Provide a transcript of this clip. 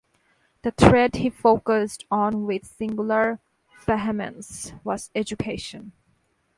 The thread he focused on with singular vehemence was education.